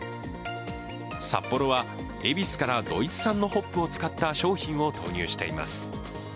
サッポロはエビスからドイツ産のホップを使った商品を投入しています。